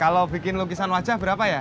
kalau bikin lukisan wajah berapa ya